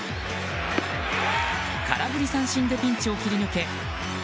空振り三振でピンチを切り抜け